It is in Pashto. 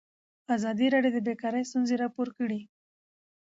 ازادي راډیو د بیکاري ستونزې راپور کړي.